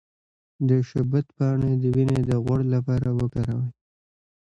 د شبت پاڼې د وینې د غوړ لپاره وکاروئ